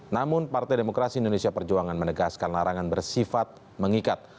namun partai demokrasi indonesia perjuangan menegaskan larangan bersifat mengikat